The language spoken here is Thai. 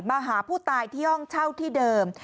มาหาผู้ตายที่ห้องเช่าที่เดิม